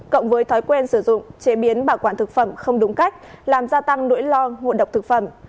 cộng với thói quen sử dụng chế biến bảo quản thực phẩm không đúng cách làm gia tăng nỗi lo ngộ độc thực phẩm